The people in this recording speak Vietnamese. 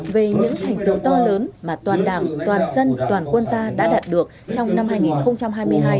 về những thành tựu to lớn mà toàn đảng toàn dân toàn quân ta đã đạt được trong năm hai nghìn hai mươi hai